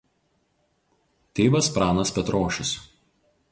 Tėvas Pranas Petrošius.